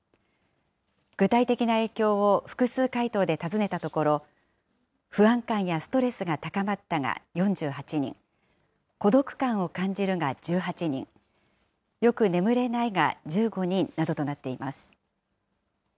具体的な影響を複数回答で尋ねたところ、不安感やストレスが高まったが４８人、孤独感を感じるが１８人、よく眠れないが１５人などとなっています。